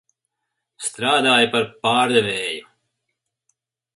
Strādāju par pārdevēju.